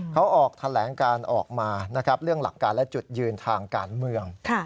เขาออกแถลงการออกมานะครับเรื่องหลักการและจุดยืนทางการเมือง